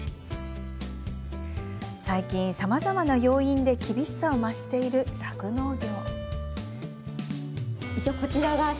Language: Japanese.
最近、さまざまな要因で厳しさを増している酪農業。